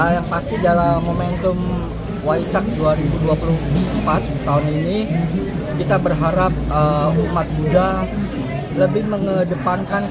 yang pasti dalam momentum waisak dua ribu dua puluh empat tahun ini kita berharap umat buddha lebih mengedepankan